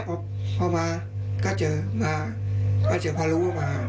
พอรู้ว่ามาก็เจอมาก็เจอมาก็เจอซ้ำ